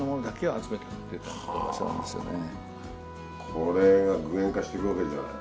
これが具現化していくわけじゃない。